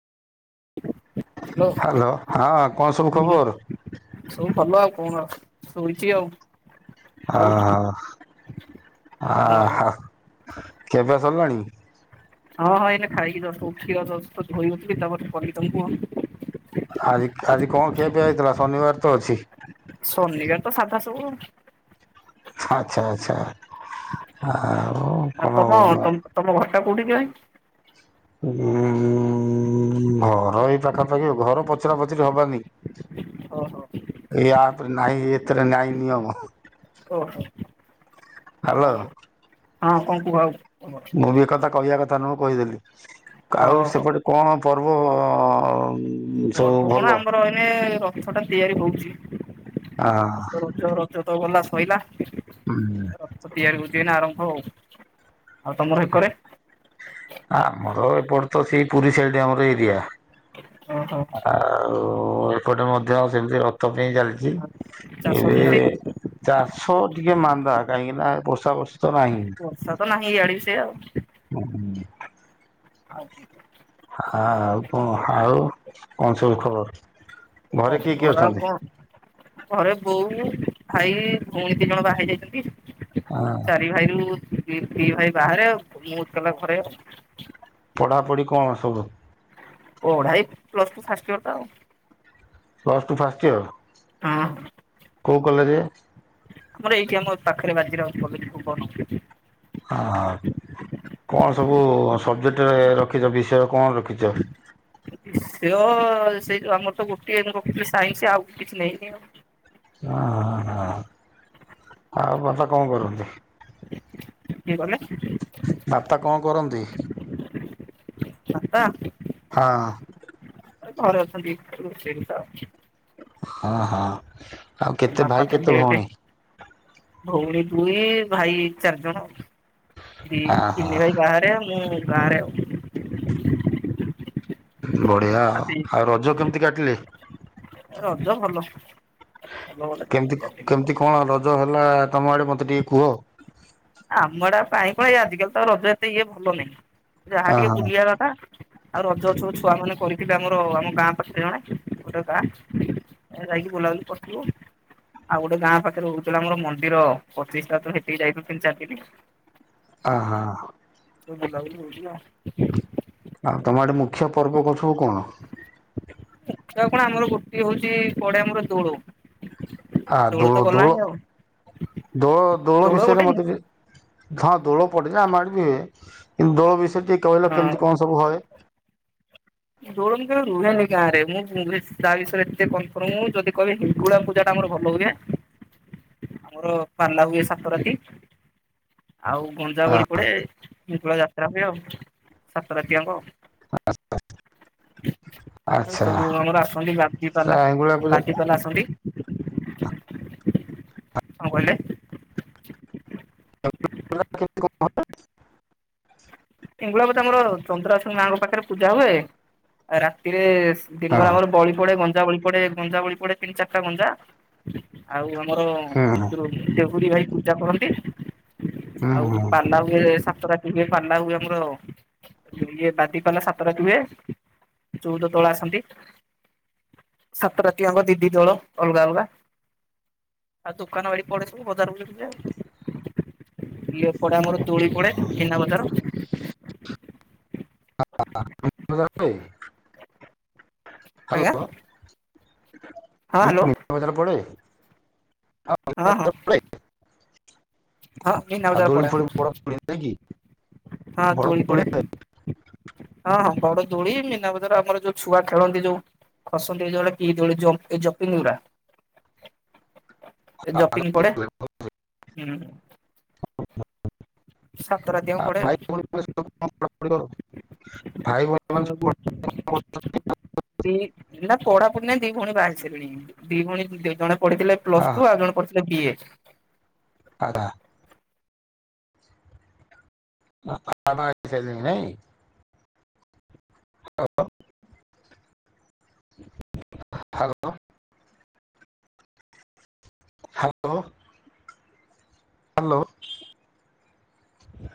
Hello ହଁ କଣ ସବୁ ହ ଖବର? ସବୁ ଭଲ ଆଉ କଣ, ଆଉ ଶୋଇଛି ଆଉ। ଆଉ ଓହୋ ତମର କଣ? ଆ କେବେସରିଲାଣି? ହଁ ହଁ ଏଇନ ଖାଇକି କ୍ଷୀର ଧୋଇଯଉି ତାପରେ କରିବି ତମକୁ ହଁ। ଆଜି ଆଜି କଣ ଖ୍ଷପି ହେଇଥିଲା ଶନିବାର ତ ଅଛି? ଶନିବାର ତ ସାଧା ସବୁ। ଆଚ୍ଛା। ଆଚ୍ଛା। [unintelligible] ଆଉ ଆଉ କଣ ତମ ତମ ଘରଟା କୋଉଠି ଯ ଭାଇ। ଉ ଘର ଏଇ ପାଖାପାଖି, ଘର ପଚରା ପଚୁର ହବାନି। ଓ ହୋ। ୟାପରେ ନାାଇଁ ଏଥିରେ ନାୟଁ ନିୟମ। ଓହୋ ଆଉ ହ୍ୟାଲୋ କଣ କ ହଁ କଣ କୁହ ଆଉ? ମୁଁ ବି ଏକଥା କହିବା କଥା ନୁହେଁ କହିଦେଲି ଆଉ ହଉ ହଉ ସେପଟେ କଣ ପର୍ବ? ସବୁ ପର୍ବ କଣ ଭଲ? ଆମର ଏଇନେ ରଥ ଟା ତିଆରି ହଉଛି। ଆ ଆଉ ତ ରଜ ରଜ ତ ଗଲା ଶୋଇଲାା। [unintelligible] ତିଆରି କର ଯ ଆରମ୍ଭ ହଉ। [unintelligible] ଆମର ଏପଟ ତ ସେଇ ପୁରୀ ସାଇଡ ଆମର ଏରିଆ। ଓହୋ ଆଉ ଏପଟେ ମଧ୍ୟ ଆ ସେମିତି ରଥ ପାଇଁ ଚାଲି ଆଉ [inaudible] ଚାଷ ଏବେ ଚାଷୀ ଚାଷ ଟିକେ ମାନ୍ଦା କାହିଁକି ନା ବର୍ଷା ବର୍ଷା ତ ନାହିଁ। ତ ନାହିଁ ଆଡି ସେ ଆଉ। [inaudible] ଆଉ। ଆ ଆଉ କଣ ଆଉ କଣ ସବୁ ଖବର? ଘରେ କିଏ କିଏ ଖବର ଆଉ ଅଛନ୍ତି? କଣ? ଘରେ ବୋଉ ଭାଇ ଭଉଣୀ ଦି ଜଣ ବା ହେଇ ଯାଇଛନ୍ତି। ଆଉ ଚାରି ଭାଇରୁ ଦି ଭାଇ ବାହାରେ ମୁଁତ ଏକେଲା ଘରେ। ପଢ଼ାପଢ଼ି କଣ ସବୁ? ପଢା ଏଇ ପ୍ଲସ୍ ଟୁ ଫାଷ୍ଟ ଇଅର ତ ଅଉ। ପ୍ଲସ୍ ଟୁ ଫାଷ୍ଟ ଇୟର ହଁ। କୋଉ କଲେଯେ? ଆମର ଏଇଠି ଆମ ପାଖରେ ବାଜି ରାଉତ୍ କଲେଜ ଭୁବନ। ହ କଣ ସବୁ ସବ୍‌ଜେକ୍ଟ ରଖିଛ ବିଷୟ କଣ ରଖିଛ? ବିଷୟ ସେଇ ଯୋଉ ଆମର ତ ଗୋଟିଏ କହିଥିଲି ସାଇନ୍ସ ଆଉ କିଛି ନେଇନି ଆଉ। ହଁ ହଁ ଆଉ ବାପା କଣ କରନ୍ତି? କିଏ କଲେ? ଵାପା କଣ କରନ୍ତି? ବାପା। ହଁ। ଘରେ ଅଛନ୍ତି ସେଇଠି ତ? ହଁ ହଁ ଆଉ କେତେ ବାପା ଭାଇ ତ କେତେ ଡେଟ ଭଉଣୀ? ଭଉଣୀ ଦୁଇ ଭାଇ ଚାରି ଜଣ। ଦି ଆ ହା ତିନି ଭାଇ ବାହେରେ ମୁଁ ଗାଁରେ ଆଉ। ବଢିଆ ଆ ଆଉ ରଜ କେମିତି କାଟିଲେ? ରଜ ଭଲ। ଭଲ ଭଲ କେମିତି ଦେଖିଆ ଟିକେ। କେମିତି କଣ ରଜ ହେଲା ତମ ଆଡେ ମତେ ଟିକେ କୁହ? ଆମ ଆଡ଼େ କାଇଁ କଣ ଆଜିକାଲି ତ ରଜ ଏତେ ଇଏ ଭଲ ନାହିଁ। ଯାହା ଟିକେ ଅହୋ ବୁଲିବା କଥା। ଆଉ ରଜ ସବ ଛୁଆ ମାନେ କରିିବେ ଆମର ଆମ ଗାଁ ପାଖରେ ଜଣେ ଗୋଟେ ଗାଁ। ଏ ଯାଇକି ବୋଲାବୁଲି କରିଥିଲୁ। ଆଉ ଗୋଟେ ଗାଁ ପାଖରେ ରହୁଥିଲା ଆମର ମନ୍ଦିର ପଚିଶିଟା ତ ହେଠିକି ଯାଇଥିଲୁ ତିନି ଚାରିଦିନି। ଓହୋ। [unintelligible] ଆଉ ତମେ ଆଡେ ମୁଖ୍ୟ ପର୍ବ କରୁଛିବୁ କଣ? ମୁଖ୍ୟ କଣ ଆମର ଗୋଟିଏ ହୋଉଛି ପଡେ ଆମର ଦୋଳ। ହଁ ତ ଦୋଳ ଦୋଳ ଗଲାଣି ଆଉ ଦୋଳ ଦୋଳ ବିଷୟରେ ଗୋଟେ ହଁ ମତେ ହଁ ଦୋଳ ପଡେ ଆମଡ ବି ହୁଏ। କିନ୍ତୁ ଦୋଳ ବିଷୟରେ ଟିକେ କହିଲ କେମିତି କଣ ସବୁ ହଏ। ଦୋଳନି କେବେ ରୁହେନି ଗାଁରେ ମୁଁ ତା ବିଷୟରେ ଏତେ କନଫର୍ମ ଯଦି କ ହିଙ୍ଗୁଳା ପୂଜା ଟା ଆମର ଭଲ ହୁଏ। ଆମର ପାଲା ହୁଏ ସାତ ରାତି। ଆଉ ଆ ଗଞ୍ଜାବଳି ପଡେ ହିଙ୍ଗୁଲା ଯାତ୍ରା ହୁଏ ଆଉ। ସାତ ରାତି ଆଙ୍କ। ଆଚ୍ଛା ସବୁ ଆମର ଆସନ୍ତି ବାଦି ପାଲା ହେଙ୍ଗୁଳା ପୂଜା ବାଦୀ ସେମାନେ ଆସନ୍ତି କଣ କହିଲେ? [unintelligible] ହେଙ୍ଗୁଳା ପୂଜା ତ ଆମର ଚନ୍ଦ୍ରଶୁଣି ମାଙ୍କ ପାଖରେ ପୂଜା ହୁଏ। ଆଉ ରାତିରେ ହଁ ଦିନରେ ଆମର ବଳି ପଡେ ଗଞ୍ଜା ବଳି ପଡେ ଗଞ୍ଜା ବଳି ପଡେ ତିନି ଚାରିଟା ଗଞ୍ଜା। ଆଉ ଆମର ହୁଁ ଦେହୁରୀ ଭାଇ ପୂଜା କରନ୍ତି। ହୁଁ ହୁଁ ଆଉ ପାଲା ହୁଏ। ସାତ ରାତି ହୁଏ ପାଲା ହୁଏ। ଆମର ଇଏ ବାଦି ପାଲା ସାତରାତି ହୁଏ। ଚଉଦ ତଳେ ଆସନ୍ତି। ସତ ରାତି ଆଙ୍କ ଦିଦି ଦିଳ ଅଲଗା ଅଲଗା। ଆଉ ଦୋକାନ ବାଳି ପଳେଇଛନ୍ତି। ସବୁ ବଜାରବୁଲିଯିବେ ଇଏ ହେପଟେ ଆମର ହୁଁ ଦୋଳି ପଡେ। ମିନା ବଜାର। [unintelligible] ଆଜ୍ଞା ହ୍ୟାଲୋ। ହଁ ହ୍ୟାଲୋ ମିନା ଵଜାର ପଡେ? ହଁ ହଁ। ହଁ ମୀନା ବଜାର ପଡ଼େ ଆମର। ମୁଁ କଇଲି ଏବକି? ହଁ ଦୋଳି ପଡ଼େ। ହଁ ହଁ ପଡ଼େ ଦୋଳି ମୀନା ବଜାର ଆମର ଯୋଉ ଛୁଆ ଖେଳନ୍ତି ଯୋଉ ଖସନ୍ତି ଯୋଉଡା କି ଦୋଳି ଜମ୍ପ୍ ଏ ଜମ୍ପିଙ୍ଗ୍ ଉଡ଼ା। ଏ ଜମ୍ପିଙ୍ଗ୍ ପଡ଼େ ଥାଏ। ହୁଁ। ସାତ ରାତି ଯାକ ଆଉ ପଡେ ଭାଇ ଭଉଣୀ ସବୁ ଜଣ ପଡ୍ ପଢ଼ା ପଡ଼ି କରୁଚନ୍ତି ଭାଇ ଭଉଣୀ ଆଉ ଗୋ ସବୁ ବଡ଼ ସବୁ ଜଣ କରୁଚନ୍ତି? ଦି ନା ପଢ଼ାପୁଢ଼ି ନାହିଁ ଦି ଭଉଣୀ ବାହା ହେଇ ସାରିଲେଣି ଦି ଭଉଣୀ ଜଣେ ପଢ଼ି ଥିଲେ ହଁ, ପ୍ଲସ୍ ଟୁ ଆଉ ଜଣେ ପଢ଼ି ଥିଲେ ବି ଏ। ଆବା। ଆଉ ବାପା ମା ଅଛନ୍ତି ନାହିଁ। ହ୍ୟାଲୋ। ହ୍ୟାଲେ।। ହାଲୋ। ହାଲୋ।